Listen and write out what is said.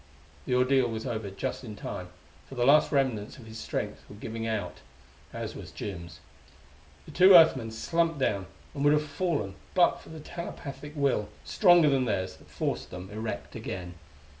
The ordeal was over just in time, for the last remnants of his strength was giving out as was Jim's. The two Earth men slumped down, and would have fallen but for the telepathic will, stronger than theirs, that forced them erect again.